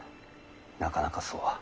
なかなかそうは。